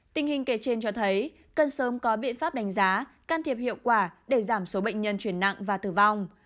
tình hình kể trên cho thấy cần sớm có biện pháp đánh giá can thiệp hiệu quả để giảm số bệnh nhân chuyển nặng và tử vong